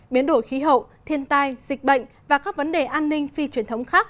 biến đổi khí hậu thiên tai dịch bệnh và các vấn đề an ninh phi truyền thống khác